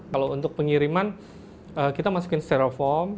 kalau untuk pengiriman kita masukin steroform